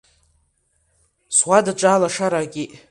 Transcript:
Суадаҿы алашара акит.